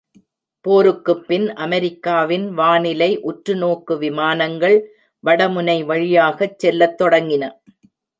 போருக்குப்பின் அமெரிக்காவின் வானிலை உற்று நோக்கு விமானங்கள் வடமுனை வழியாகச் செல்லத் தொடங்கின.